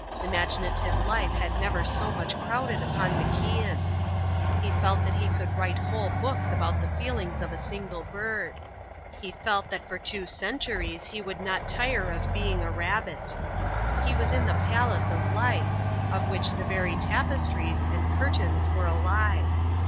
Imaginative life had never so much crowded upon MacIan. He felt that he could write whole books about the feelings of a single bird. He felt that for two centuries he would not tire of being a rabbit. He was in the Palace of Life, of which the very tapestries and curtains were alive.